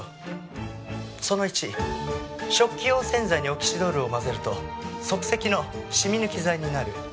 その１食器用洗剤にオキシドールを混ぜると即席のシミ抜き剤になる。